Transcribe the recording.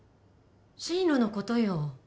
進路のことよ